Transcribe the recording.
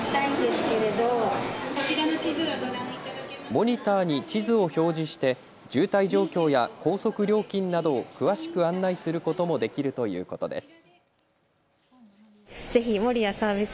モニターに地図を表示して渋滞状況や高速料金などを詳しく案内することもできるということです。